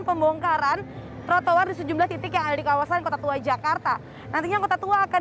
pembongkaran trotoar di sejumlah titik yang ada di kawasan kota tua jakarta nantinya kota tua akan